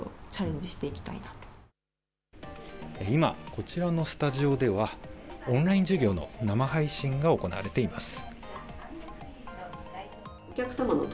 こちらのスタジオでは、オンライン授業の生配信が行われています。